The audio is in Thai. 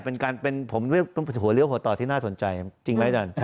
แต่ถ้าการด้วยเป็นหัวเลี่ยวหัวตอบที่น่าสนใจจริงไหมจัน